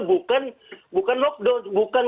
bukan bukan lockdown bukan